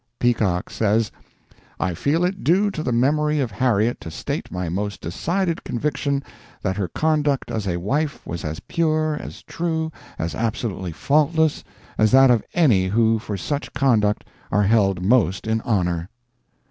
Peacock says: "I feel it due to the memory of Harriet to state my most decided conviction that her conduct as a wife was as pure, as true, as absolutely faultless, as that of any who for such conduct are held most in honor."